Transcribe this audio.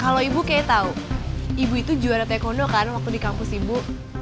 kalau ibu kayak tau ibu itu juara taekwondo kan waktu di kampus ibu